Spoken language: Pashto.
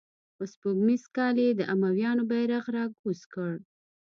په سپوږمیز کال یې د امویانو بیرغ را کوز کړ.